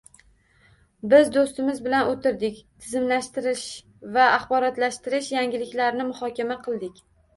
Biz do'stimiz bilan o'tirdik, "tizimlashtirish va axborotlashtirish" yangiliklarini muhokama qildik